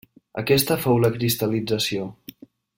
Aquesta fou la cristal·lització.